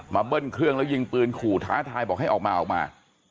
เบิ้ลเครื่องแล้วยิงปืนขู่ท้าทายบอกให้ออกมาออกมา